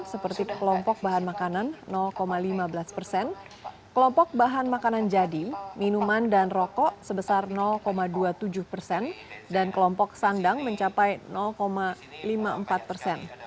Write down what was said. seperti kelompok bahan makanan lima belas persen kelompok bahan makanan jadi minuman dan rokok sebesar dua puluh tujuh persen dan kelompok sandang mencapai lima puluh empat persen